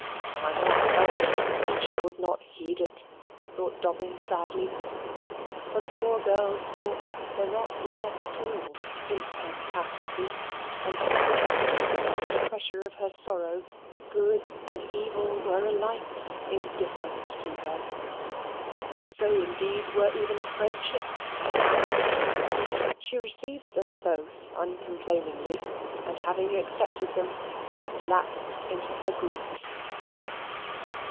"I might tell her, and she would not heed it," thought Dobbin, sadly: for the poor girl's thoughts were not here at all since her catastrophe, and, stupefied under the pressure of her sorrow, good and evil were alike indifferent to her. So, indeed, were even friendship and kindness. She received them both uncomplainingly, and having accepted them, relapsed into her grief.